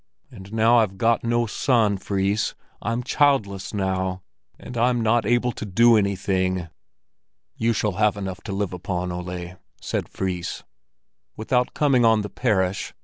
And now I've got no son, Fris! I'm childless now! And I'm not able to do anything!" "You shall have enough to live upon, Ole," said Fris. "Without coming on the parish?